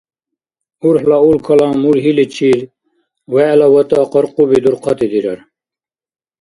УрхӀла улкала мургьиличир, вегӀла ВатӀа къаркъуби дурхъати дирар.